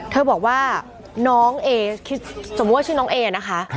เธอบอกว่าน้องเอสมมุติว่าชื่อน้องเอนะคะ